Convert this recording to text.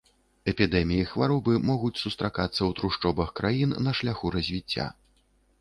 Эпідэміі хваробы могуць сустракацца ў трушчобах краін на шляху развіцця.